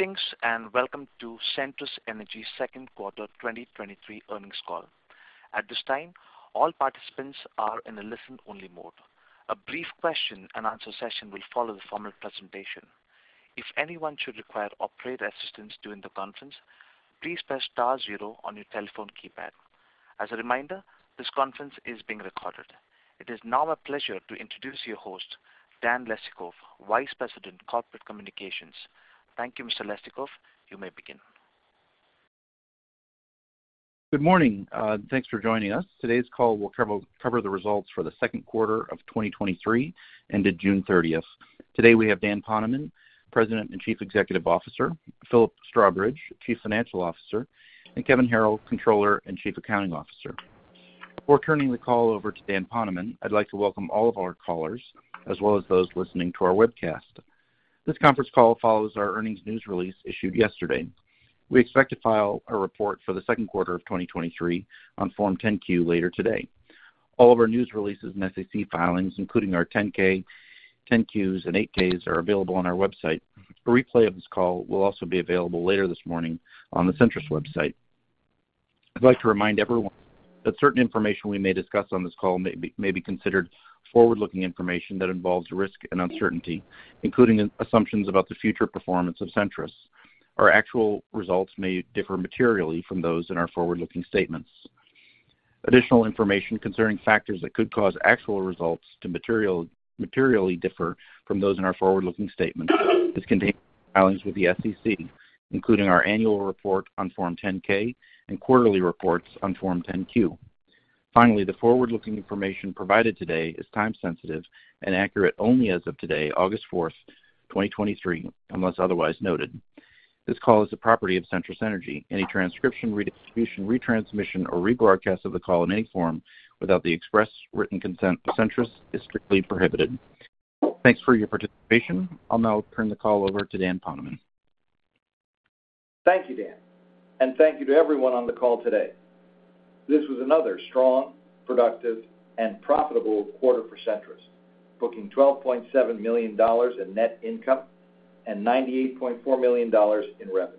Greetings, welcome to Centrus Energy second quarter 2023 earnings call. At this time, all participants are in a listen-only mode. A brief question-and-answer session will follow the formal presentation. If anyone should require operator assistance during the conference, please press star zero on your telephone keypad. As a reminder, this conference is being recorded. It is now my pleasure to introduce your host, Dan Leistikow, Vice President, Corporate Communications. Thank you, Mr. Leistikow. You may begin. Good morning. Thanks for joining us. Today's call will cover the results for the second quarter of 2023, ended June 30th. Today, we have Dan Poneman, President and Chief Executive Officer; Philip Strawbridge, Chief Financial Officer; and Kevin Harrill, Controller and Chief Accounting Officer. Before turning the call over to Dan Poneman, I'd like to welcome all of our callers, as well as those listening to our webcast. This conference call follows our earnings news release issued yesterday. We expect to file a report for the second quarter of 2023 on Form 10-Q later today. All of our news releases and SEC filings, including our 10-K, 10-Qs, and 8-Ks, are available on our website. A replay of this call will also be available later this morning on the Centrus website. I'd like to remind everyone that certain information we may discuss on this call may be considered forward-looking information that involves risk and uncertainty, including assumptions about the future performance of Centrus. Our actual results may differ materially from those in our forward-looking statements. Additional information concerning factors that could cause actual results to materially differ from those in our forward-looking statements is contained in the filings with the SEC, including our annual report on Form 10-K and quarterly reports on Form 10-Q. Finally, the forward-looking information provided today is time sensitive and accurate only as of today, August 4, 2023, unless otherwise noted. This call is the property of Centrus Energy. Any transcription, redistribution, retransmission, or rebroadcast of the call in any form without the express written consent of Centrus is strictly prohibited. Thanks for your participation. I'll now turn the call over to Dan Poneman. Thank you, Dan, and thank you to everyone on the call today. This was another strong, productive, and profitable quarter for Centrus, booking $12.7 million in net income and $98.4 million in revenue.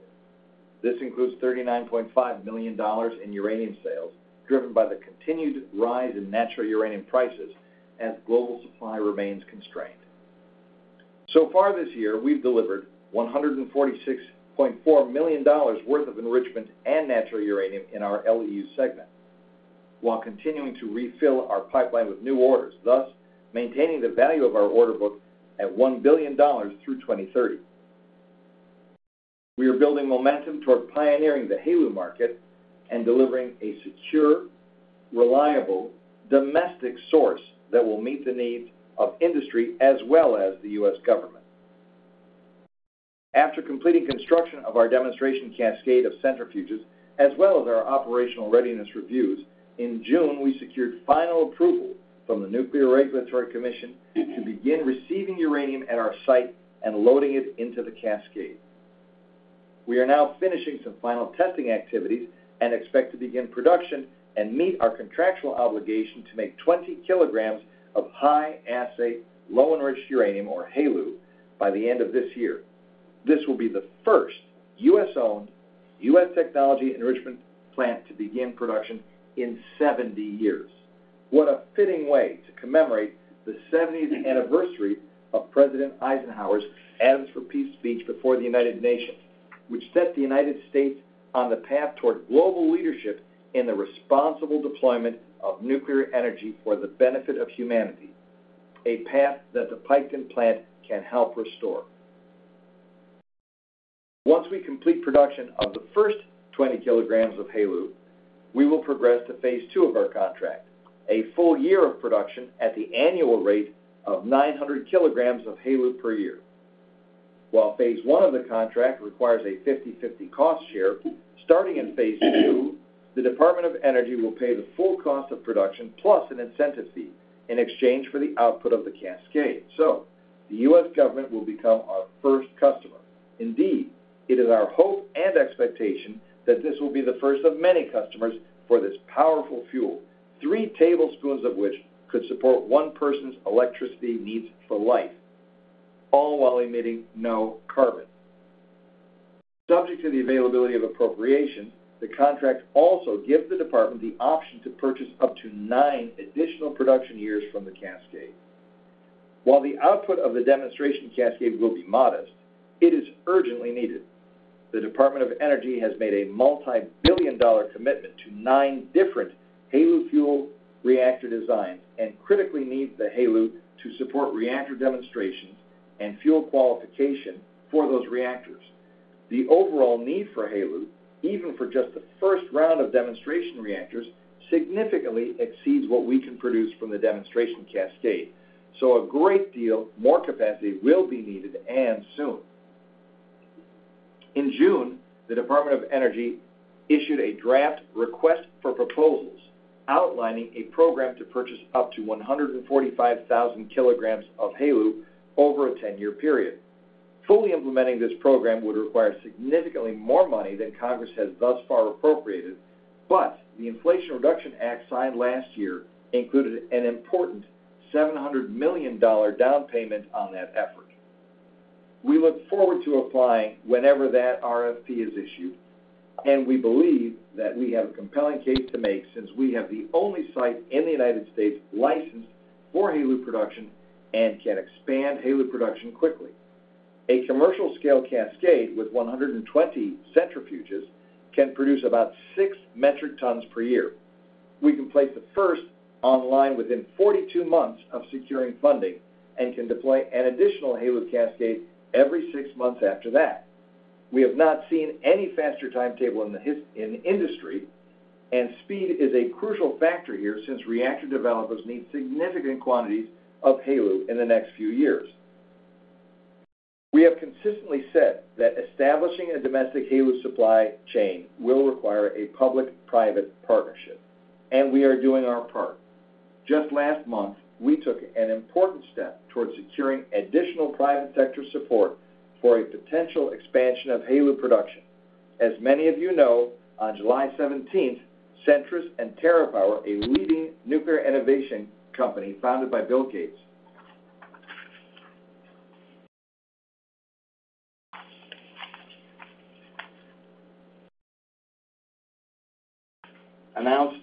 This includes $39.5 million in uranium sales, driven by the continued rise in natural uranium prices as global supply remains constrained. Far this year, we've delivered $146.4 million worth of enrichment and natural uranium in our LEU segment, while continuing to refill our pipeline with new orders, thus maintaining the value of our order book at $1 billion through 2030. We are building momentum toward pioneering the HALEU market and delivering a secure, reliable, domestic source that will meet the needs of industry as well as the U.S. government. After completing construction of our demonstration cascade of centrifuges, as well as our operational readiness reviews, in June, we secured final approval from the Nuclear Regulatory Commission to begin receiving uranium at our site and loading it into the cascade. We are now finishing some final testing activities and expect to begin production and meet our contractual obligation to make 20 kilograms of high-assay low-enriched uranium, or HALEU, by the end of this year. This will be the first U.S.-owned, U.S. technology enrichment plant to begin production in 70 years. What a fitting way to commemorate the 70th anniversary of President Eisenhower's Atoms for Peace speech before the United Nations, which set the United States on the path toward global leadership in the responsible deployment of nuclear energy for the benefit of humanity, a path that the Piketon Plant can help restore. Once we complete production of the first 20 kilograms of HALEU, we will progress to phase two of our contract, a full year of production at the annual rate of 900 kilograms of HALEU per year. While phase one of the contract requires a 50/50 cost share, starting in phase two, the Department of Energy will pay the full cost of production plus an incentive fee in exchange for the output of the cascade, so the U.S. government will become our first customer. Indeed, it is our hope and expectation that this will be the first of many customers for this powerful fuel, three tablespoons of which could support one person's electricity needs for life, all while emitting no carbon. Subject to the availability of appropriation, the contract also gives the department the option to purchase up to nine additional production years from the cascade. While the output of the demonstration cascade will be modest, it is urgently needed. The Department of Energy has made a multibillion-dollar commitment to nine different HALEU fuel reactor designs and critically needs the HALEU to support reactor demonstrations and fuel qualification for those reactors. The overall need for HALEU, even for just the first round of demonstration reactors, significantly exceeds what we can produce from the demonstration cascade, so a great deal more capacity will be needed and soon. In June, the Department of Energy issued a draft request for proposals outlining a program to purchase up to 145,000 kilograms of HALEU over a 10-year period. Fully implementing this program would require significantly more money than Congress has thus far appropriated.... The Inflation Reduction Act signed last year included an important $700 million down payment on that effort. We look forward to applying whenever that RFP is issued, we believe that we have a compelling case to make, since we have the only site in the United States licensed for HALEU production and can expand HALEU production quickly. A commercial-scale cascade with 120 centrifuges can produce about 6 metric tons per year. We can place the first online within 42 months of securing funding and can deploy an additional HALEU cascade every 6 months after that. We have not seen any faster timetable in the industry, and speed is a crucial factor here, since reactor developers need significant quantities of HALEU in the next few years. We have consistently said that establishing a domestic HALEU supply chain will require a public-private partnership, and we are doing our part. Just last month, we took an important step towards securing additional private sector support for a potential expansion of HALEU production. As many of you know, on July 17th, Centrus and TerraPower, a leading nuclear innovation company founded by Bill Gates, announced that we have signed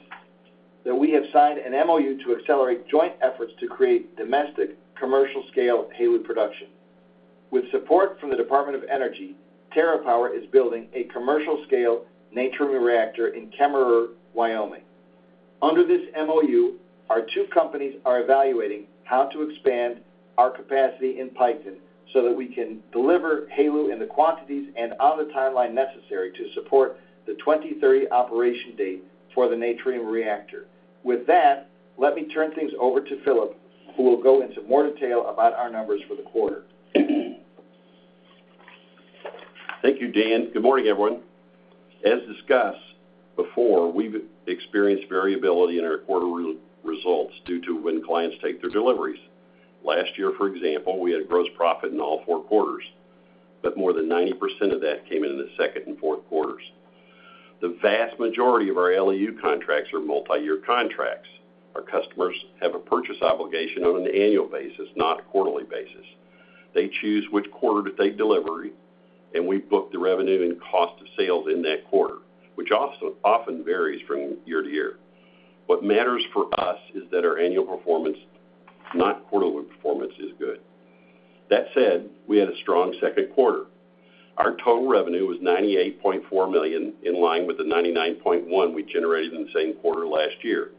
an MOU to accelerate joint efforts to create domestic commercial-scale HALEU production. With support from the Department of Energy, TerraPower is building a commercial-scale Natrium reactor in Kemmerer, Wyoming. Under this MOU, our two companies are evaluating how to expand our capacity in Piketon so that we can deliver HALEU in the quantities and on the timeline necessary to support the 2030 operation date for the Natrium reactor. With that, let me turn things over to Philip, who will go into more detail about our numbers for the quarter. Thank you, Dan. Good morning, everyone. As discussed before, we've experienced variability in our quarterly results due to when clients take their deliveries. Last year, for example, we had gross profit in all four quarters, but more than 90% of that came in in the second and fourth quarters. The vast majority of our LEU contracts are multiyear contracts. Our customers have a purchase obligation on an annual basis, not a quarterly basis. They choose which quarter to take delivery, and we book the revenue and cost of sales in that quarter, which also often varies from year to year. What matters for us is that our annual performance, not quarterly performance, is good. That said, we had a strong second quarter. Our total revenue was $98.4 million, in line with the $99.1 million we generated in the same quarter last year.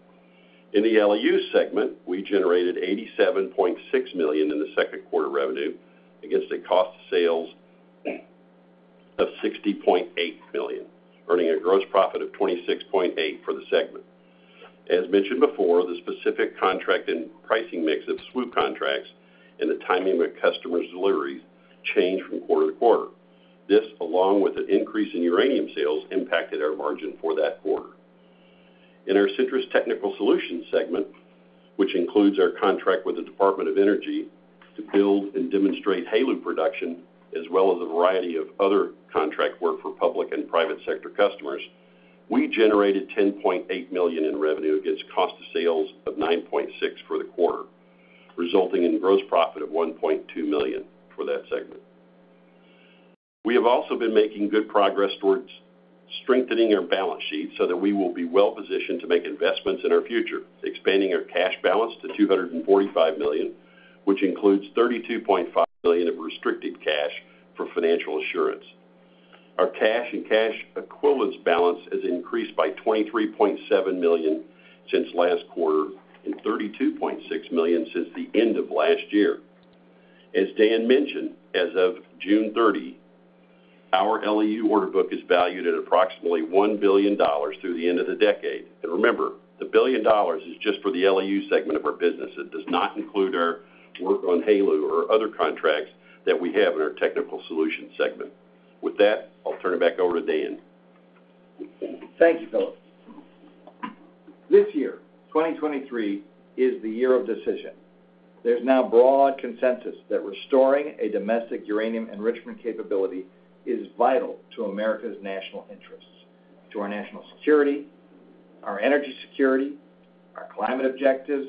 In the LEU segment, we generated $87.6 million in the second quarter revenue against a cost of sales of $60.8 million, earning a gross profit of $26.8 million for the segment. As mentioned before, the specific contract and pricing mix of SWU contracts and the timing of customers' deliveries change from quarter to quarter. This, along with an increase in uranium sales, impacted our margin for that quarter. In our Centrus Technical Solutions segment, which includes our contract with the Department of Energy to build and demonstrate HALEU production, as well as a variety of other contract work for public and private sector customers, we generated $10.8 million in revenue against cost of sales of $9.6 million for the quarter, resulting in gross profit of $1.2 million for that segment. We have also been making good progress towards strengthening our balance sheet so that we will be well-positioned to make investments in our future, expanding our cash balance to $245 million, which includes $32.5 million of restricted cash for financial assurance. Our cash and cash equivalents balance has increased by $23.7 million since last quarter, and $32.6 million since the end of last year. As Dan mentioned, as of June 30, our LEU order book is valued at approximately $1 billion through the end of the decade. Remember, the $1 billion is just for the LEU segment of our business. It does not include our work on HALEU or other contracts that we have in our Technical Solutions segment. With that, I'll turn it back over to Dan. Thank you, Philip. This year, 2023, is the year of decision. There's now broad consensus that restoring a domestic uranium enrichment capability is vital to America's national interests, to our national security, our energy security, our climate objectives,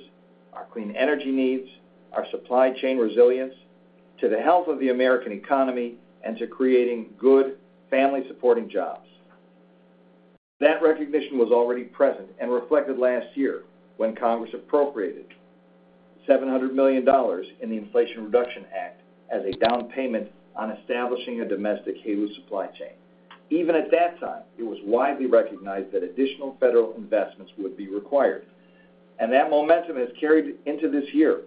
our clean energy needs, our supply chain resilience, to the health of the American economy, and to creating good family-supporting jobs. That recognition was already present and reflected last year when Congress appropriated $700 million in the Inflation Reduction Act as a down payment on establishing a domestic HALEU supply chain. Even at that time, it was widely recognized that additional federal investments would be required, and that momentum has carried into this year.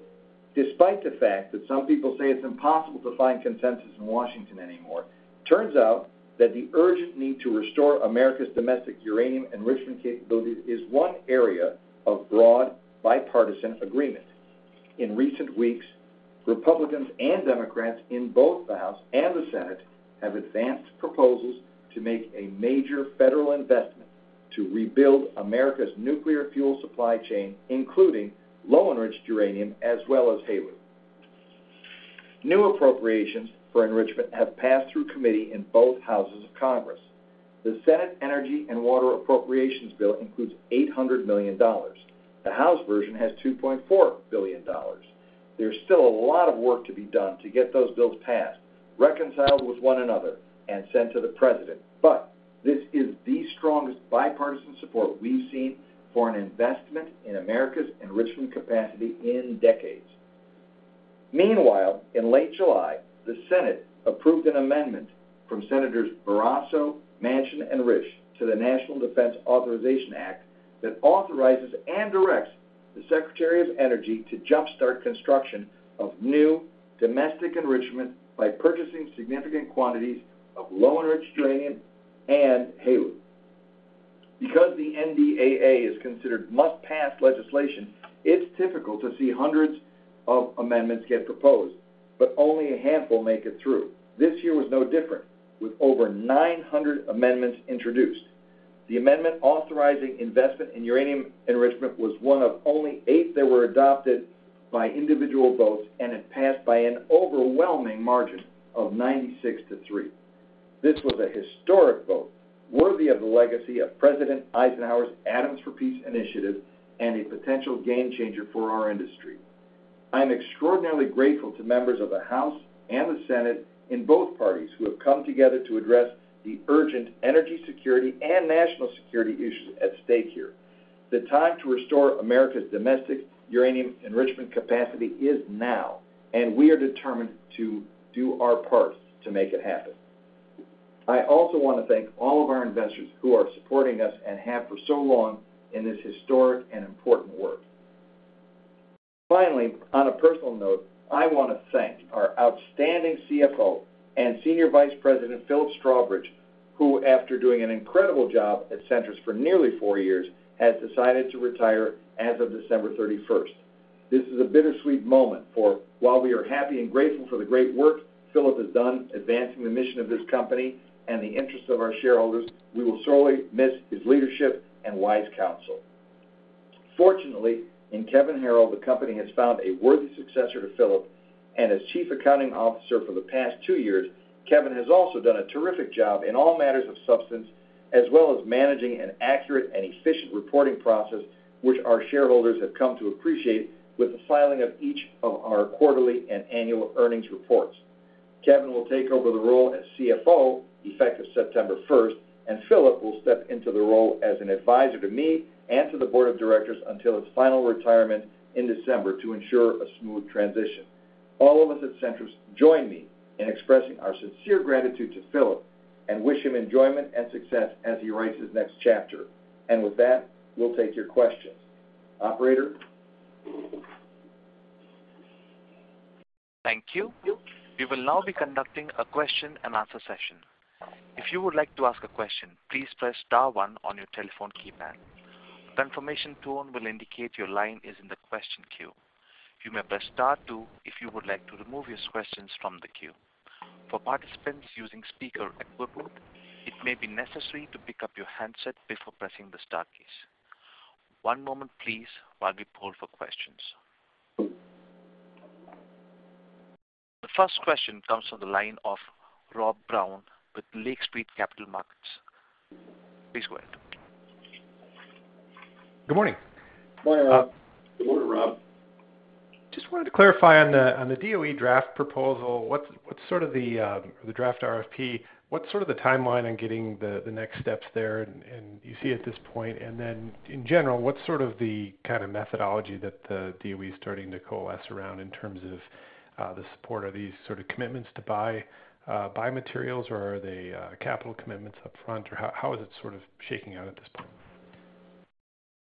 Despite the fact that some people say it's impossible to find consensus in Washington anymore, turns out that the urgent need to restore America's domestic uranium enrichment capability is one area of broad, bipartisan agreement. In recent weeks, Republicans and Democrats in both the House and the Senate have advanced proposals to make a major federal investment to rebuild America's nuclear fuel supply chain, including low-enriched uranium as well as HALEU. New appropriations for enrichment have passed through committee in both Houses of Congress. The Senate Energy and Water Appropriations Bill includes $800 million. The House version has $2.4 billion. There's still a lot of work to be done to get those bills passed, reconciled with one another, and sent to the President, but this is the strongest bipartisan support we've seen for an investment in America's enrichment capacity in decades. Meanwhile, in late July, the Senate approved an amendment from Senators Barrasso, Manchin, and Risch to the National Defense Authorization Act that authorizes and directs the Secretary of Energy to jumpstart construction of new domestic enrichment by purchasing significant quantities of low enriched uranium and HALEU. The NDAA is considered must-pass legislation, it's typical to see hundreds of amendments get proposed, but only a handful make it through. This year was no different, with over 900 amendments introduced. The amendment authorizing investment in uranium enrichment was one of only 8 that were adopted by individual votes, and it passed by an overwhelming margin of 96 to 3. This was a historic vote, worthy of the legacy of President Eisenhower's Atoms for Peace initiative and a potential game changer for our industry. I'm extraordinarily grateful to members of the House and the Senate in both parties, who have come together to address the urgent energy security and national security issues at stake here. The time to restore America's domestic uranium enrichment capacity is now, and we are determined to do our part to make it happen. I also want to thank all of our investors who are supporting us and have for so long in this historic and important work. Finally, on a personal note, I want to thank our outstanding CFO and Senior Vice President, Philip Strawbridge, who, after doing an incredible job at Centrus for nearly four years, has decided to retire as of December thirty-first. This is a bittersweet moment, for while we are happy and grateful for the great work Philip has done advancing the mission of this company and the interests of our shareholders, we will sorely miss his leadership and wise counsel. Fortunately, in Kevin Harrill, the company has found a worthy successor to Philip, and as Chief Accounting Officer for the past two years, Kevin has also done a terrific job in all matters of substance, as well as managing an accurate and efficient reporting process, which our shareholders have come to appreciate with the filing of each of our quarterly and annual earnings reports. Kevin will take over the role as CFO, effective September 1st, and Philip will step into the role as an advisor to me and to the board of directors until his final retirement in December to ensure a smooth transition. All of us at Centrus join me in expressing our sincere gratitude to Philip and wish him enjoyment and success as he writes his next chapter. With that, we'll take your questions. Operator? Thank you. We will now be conducting a question-and-answer session. If you would like to ask a question, please press star one on your telephone keypad. A confirmation tone will indicate your line is in the question queue. You may press star two if you would like to remove your questions from the queue. For participants using speaker equipment, it may be necessary to pick up your handset before pressing the star keys. One moment please while we poll for questions. The first question comes from the line of Rob Brown with Lake Street Capital Markets. Please go ahead. Good morning. Good morning, Rob. Just wanted to clarify on the DOE draft proposal, what's sort of the draft RFP, what's sort of the timeline on getting the next steps there, and you see at this point? In general, what's sort of the kind of methodology that the DOE is starting to coalesce around in terms of the support? Are these sort of commitments to buy materials, or are they capital commitments upfront, or how is it sort of shaking out at this point?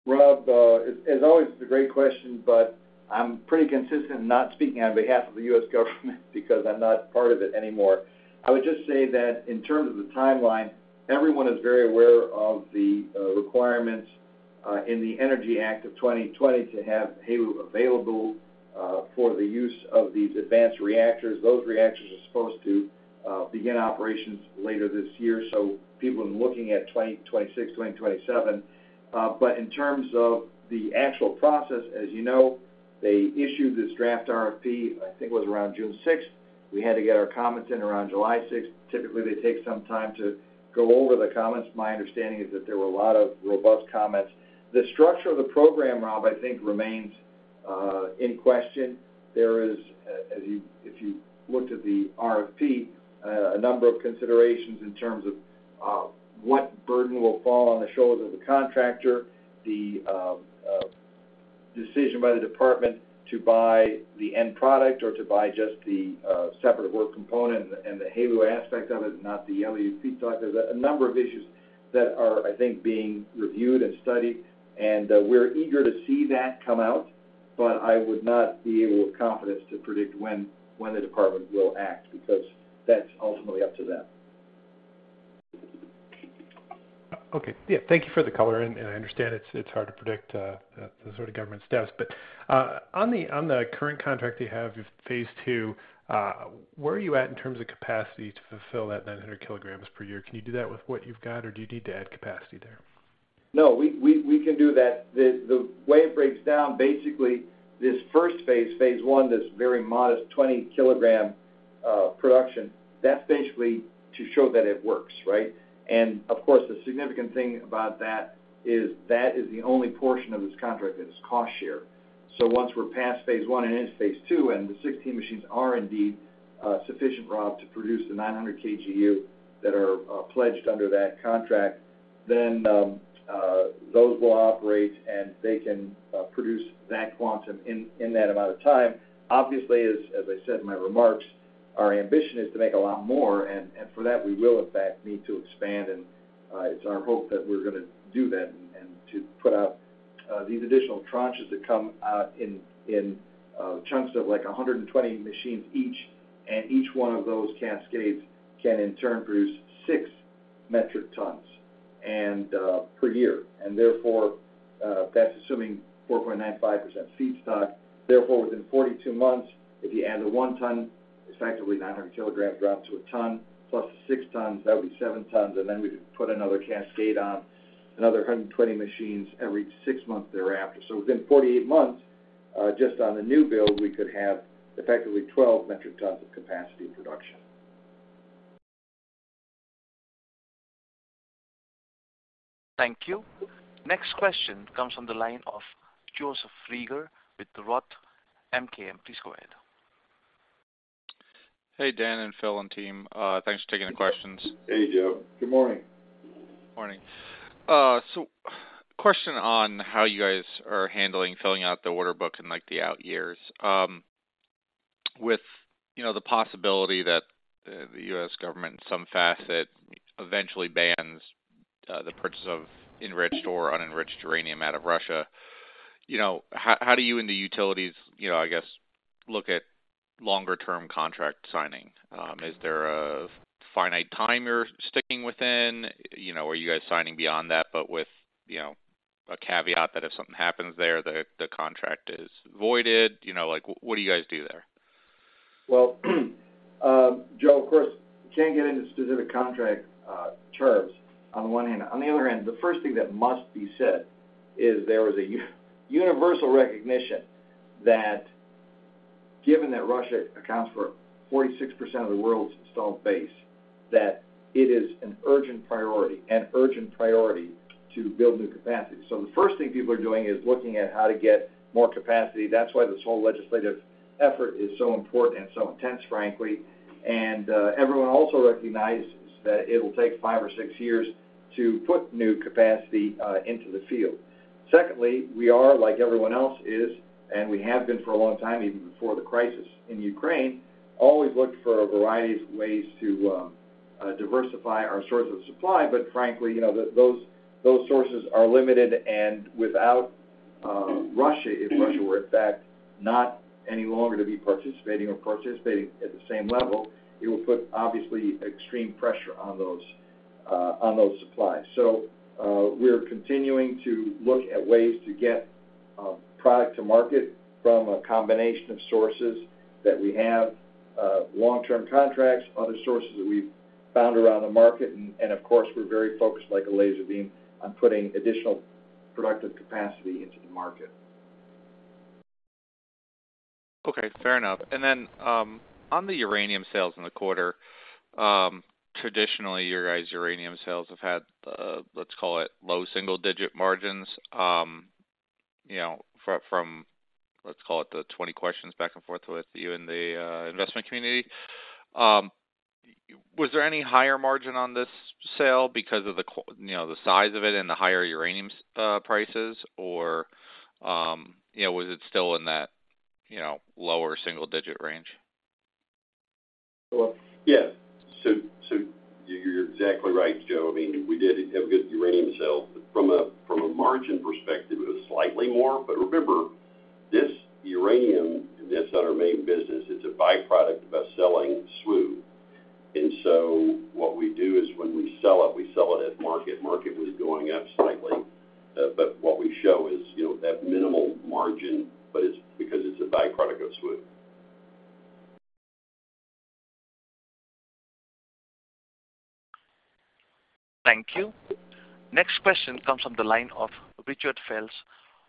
Rob, as always, it's a great question, but I'm pretty consistent in not speaking on behalf of the U.S. government because I'm not part of it anymore. I would just say that in terms of the timeline, everyone is very aware of the requirements in the Energy Act of 2020 to have HALEU available for the use of these advanced reactors. Those reactors are supposed to begin operations later this year, so people are looking at 2026, 2027. In terms of the actual process, as you know, they issued this draft RFP, I think it was around June 6th. We had to get our comments in around July 6th. Typically, they take some time to go over the comments. My understanding is that there were a lot of robust comments. The structure of the program, Rob, I think, remains in question. There is, if you looked at the RFP, a number of considerations in terms of what burden will fall on the shoulders of the contractor, the decision by the Department to buy the end product or to buy just the separate work component and the HALEU aspect of it, not the LEU piece. There's a number of issues that are, I think, being reviewed and studied, and we're eager to see that come out, but I would not be able, with confidence, to predict when, when the Department will act, because that's ultimately up to them. Okay. Yeah, thank you for the color, and, and I understand it's, it's hard to predict, the sort of government steps. On the, on the current contract you have, your phase two, where are you at in terms of capacity to fulfill that 900 kilograms per year? Can you do that with what you've got, or do you need to add capacity there? No, we, we, we can do that. The, the way it breaks down, basically, this first phase, phase one, this very modest 20 kilogram production, that's basically to show that it works, right? Of course, the significant thing about that is that is the only portion of this contract that is cost share. Once we're past phase one and into phase two, and the 16 machines are indeed sufficient, Rob, to produce the 900 KGU that are pledged under that contract, then those will operate, and they can produce that quantum in, in that amount of time. Obviously, as, as I said in my remarks, our ambition is to make a lot more, and for that, we will in fact need to expand, and it's our hope that we're gonna do that and to put out these additional tranches that come out in chunks of, like, 120 machines each. Each one of those cascades can, in turn, produce 6 metric tons per year, and therefore, that's assuming 4.95% feedstock. Therefore, within 42 months, if you add the 1 ton, it's effectively 900 kilograms dropped to a ton, plus the 6 tons, that would be 7 tons, and then we could put another cascade on, another 120 machines every 6 months thereafter. Within 48 months, just on the new build, we could have effectively 12 metric tons of capacity production. Thank you. Next question comes from the line of Joseph Reagor with Roth MKM. Please go ahead. Hey, Dan and Phil and team. Thanks for taking the questions. Hey, Joe. Good morning. Morning. Question on how you guys are handling filling out the order book in, like, the out years. With, you know, the possibility that the, the U.S. government, in some facet, eventually bans the purchase of enriched or unenriched uranium out of Russia, you know, how, how do you in the utilities, you know, I guess, look at longer-term contract signing? Is there a finite time you're sticking within? You know, are you guys signing beyond that, but with, you know, a caveat that if something happens there, the, the contract is voided? You know, like, what do you guys do there? Well, Joe, of course, we can't get into specific contract terms, on one hand. On the other hand, the first thing that must be said is there is a universal recognition that given that Russia accounts for 46% of the world's installed base, that it is an urgent priority, an urgent priority to build new capacity. The first thing people are doing is looking at how to get more capacity. That's why this whole legislative effort is so important and so intense, frankly. Everyone also recognizes that it'll take 5 or 6 years to put new capacity into the field. Secondly, we are, like everyone else is, and we have been for a long time, even before the crisis in Ukraine, always looked for a variety of ways to diversify our source of supply. Frankly, you know, those, those sources are limited, and without Russia, if Russia were, in fact, not any longer to be participating or participating at the same level, it will put, obviously, extreme pressure on those, on those supplies. We're continuing to look at ways to get product to market from a combination of sources that we have long-term contracts, other sources that we've found around the market. Of course, we're very focused, like a laser beam, on putting additional productive capacity into the market. Okay, fair enough. Then, on the uranium sales in the quarter, traditionally, your guys' uranium sales have had, let's call it low single-digit margins, you know, from, let's call it the 20 questions back and forth with you and the investment community. Was there any higher margin on this sale because of the you know, the size of it and the higher uranium prices? Or, you know, was it still in that, you know, lower single-digit range? Well, yes. You're exactly right, Joe. I mean, we did have a good uranium sale. From a, from a margin perspective, it was slightly more. remember, this uranium, and that's not our main business, it's a byproduct of us selling SWU. what we do is when we sell it, we sell it at market. Market was going up slightly, but what we show is, you know, at minimal margin, but it's because it's a byproduct of SWU. Thank you. Next question comes from the line of Richard Fels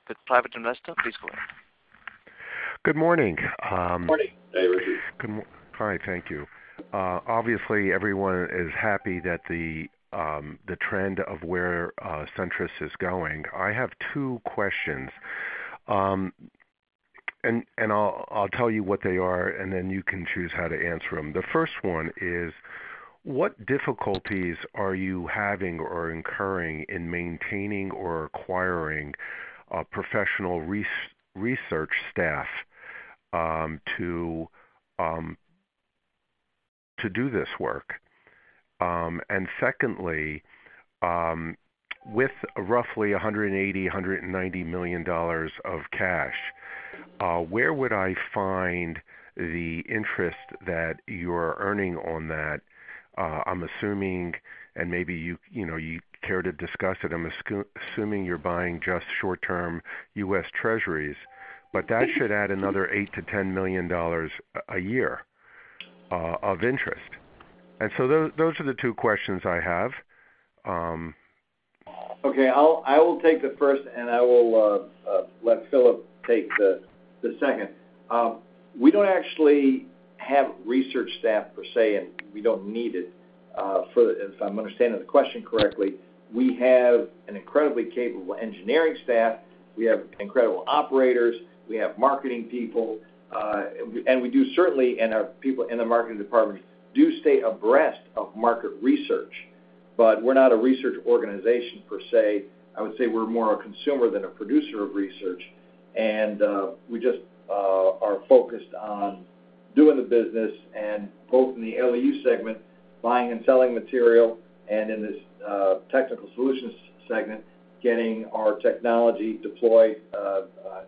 with Private Investor. Please go ahead. Good morning. Good morning. Hey, Richard. Hi, thank you. Obviously, everyone is happy that the trend of where Centrus is going. I have two questions. I'll, I'll tell you what they are, and then you can choose how to answer them. The first one is: what difficulties are you having or incurring in maintaining or acquiring a professional research staff to do this work? Secondly, with roughly $180 million-$190 million of cash, where would I find the interest that you're earning on that? I'm assuming, and maybe you, you know, you care to discuss it. I'm assuming you're buying just short-term U.S. treasuries, but that should add another $8 million-$10 million a year of interest? Those are the two questions I have. Okay, I'll, I will take the first, and I will let Philip take the second. We don't actually have research staff per se, and we don't need it. For-- if I'm understanding the question correctly, we have an incredibly capable engineering staff, we have incredible operators, we have marketing people, and we do certainly, and our people in the marketing department do stay abreast of market research, but we're not a research organization per se. I would say we're more a consumer than a producer of research. We just are focused on doing the business and both in the LEU segment, buying and selling material, and in this Technical Solutions segment, getting our technology deployed,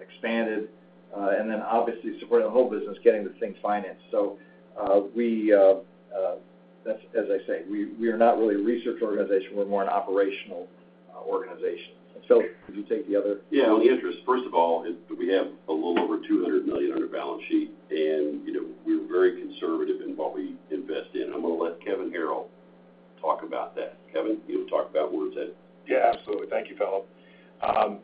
expanded, and then obviously supporting the whole business, getting the thing financed. We, as, as I say, we, we are not really a research organization. We're more an operational organization. Could you take the other? On the interest, first of all, is we have a little over $200 million on our balance sheet, and, you know, we're very conservative in what we invest in. I'm gonna let Kevin Harrill talk about that. Kevin, you want to talk about where it's at? Yeah, absolutely. Thank you, Philip.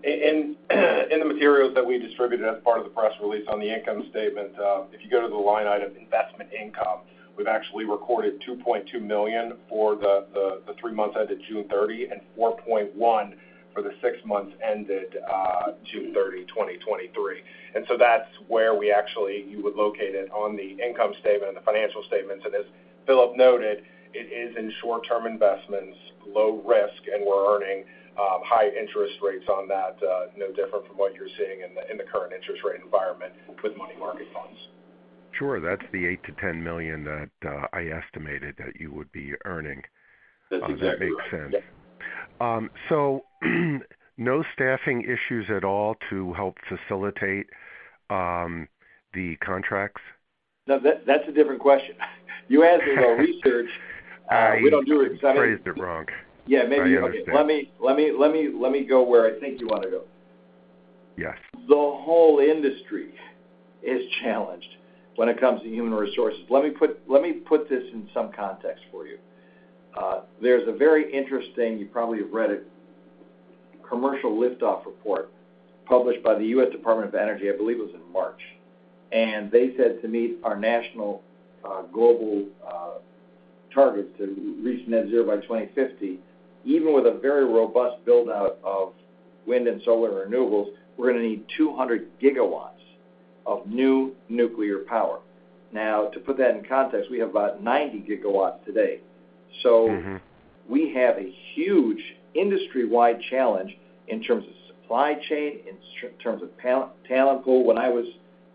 In the materials that we distributed as part of the press release on the income statement, if you go to the line item, investment income, we've actually recorded $2.2 million for the three months ended June 30, and $4.1 million for the six months ended June 30, 2023. That's where we actually you would locate it on the income statement and the financial statements. As Philip noted, it is in short-term investments, low risk, and we're earning high interest rates on that, no different from what you're seeing in the current interest rate environment with money market funds. Sure. That's the $8 million-$10 million that I estimated that you would be earning. That's exactly right. That makes sense. No staffing issues at all to help facilitate the contracts? No, that's a different question. You asked about research, we don't do it. I phrased it wrong. Yeah, maybe. I understand. Let me, let me, let me, let me go where I think you wanna go. Yes. The whole industry is challenged when it comes to human resources. Let me put, let me put this in some context for you. There's a very interesting, you probably have read it, commercial liftoff report published by the U.S. Department of Energy, I believe it was in March. They said to meet our national, global, targets to reach net zero by 2050, even with a very robust build-out of wind and solar renewables, we're gonna need 200 gigawatts of new nuclear power. To put that in context, we have about 90 gigawatts today. Mm-hmm. We have a huge industry-wide challenge in terms of supply chain, in terms of talent pool. When I was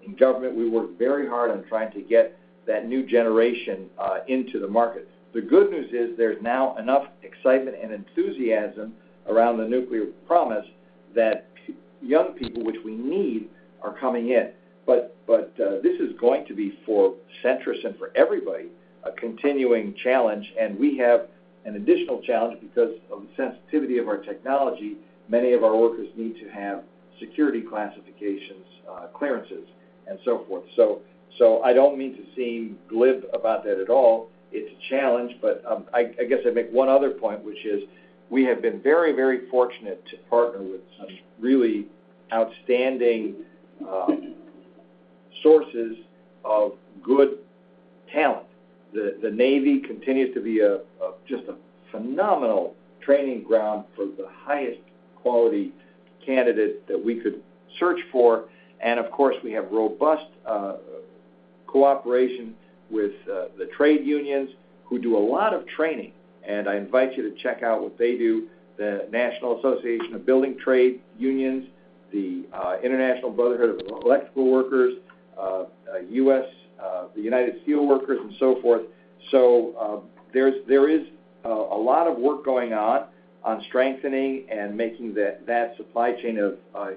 in government, we worked very hard on trying to get that new generation into the market. The good news is there's now enough excitement and enthusiasm around the nuclear promise that young people, which we need, are coming in. This is going to be for Centrus and for everybody, a continuing challenge, and we have an additional challenge because of the sensitivity of our technology, many of our workers need to have security classifications, clearances, and so forth. I don't mean to seem glib about that at all. It's a challenge, but I, I guess I'd make one other point, which is we have been very, very fortunate to partner with some really outstanding sources of good talent. The Navy continues to be a just a phenomenal training ground for the highest quality candidate that we could search for. Of course, we have robust cooperation with the trade unions who do a lot of training, and I invite you to check out what they do, the North America's Building Trades Unions, the International Brotherhood of Electrical Workers, the United Steelworkers, and so forth. There's there is a lot of work going on on strengthening and making the that supply chain of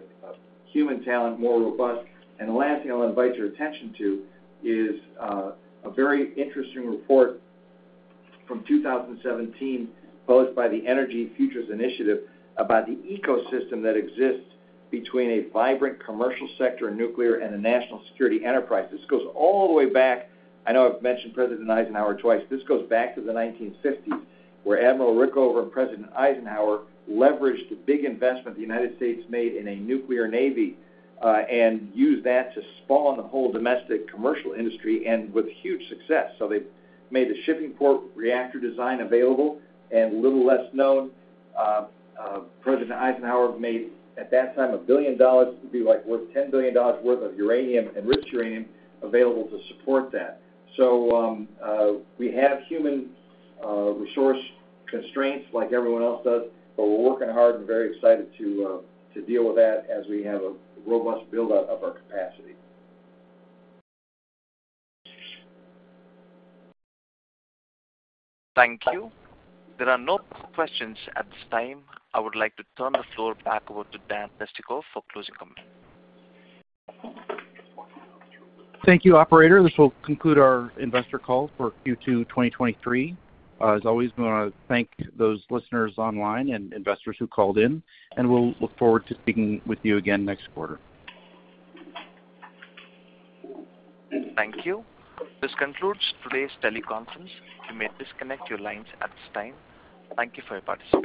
human talent more robust. The last thing I'll invite your attention to is a very interesting report from 2017, published by the Energy Futures Initiative, about the ecosystem that exists between a vibrant commercial sector in nuclear and a national security enterprise. This goes all the way back. I know I've mentioned President Eisenhower twice. This goes back to the 1950s, where Admiral Rickover and President Eisenhower leveraged a big investment the United States made in a nuclear Navy, and used that to spawn the whole domestic commercial industry, and with huge success. They made the Shippingport reactor design available, and little less known, President Eisenhower made, at that time, $1 billion, it would be like worth $10 billion worth of uranium and rich uranium available to support that. We have human resource constraints like everyone else does, but we're working hard and very excited to deal with that as we have a robust build-out of our capacity. Thank you. There are no questions at this time. I would like to turn the floor back over to Dan Leistikow for closing comments. Thank you, operator. This will conclude our investor call for Q2 2023. As always, we wanna thank those listeners online and investors who called in, and we'll look forward to speaking with you again next quarter. Thank you. This concludes today's teleconference. You may disconnect your lines at this time. Thank you for your participation.